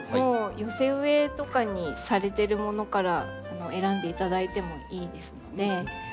寄せ植えとかにされてるものから選んでいただいてもいいですので。